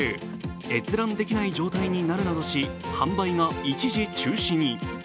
閲覧できない状態になるなどし、販売が一時中止に。